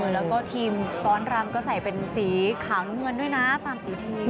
แล้วก็ทีมฟ้อนรำก็ใส่เป็นสีขาวน้ำเงินด้วยนะตามสีทีม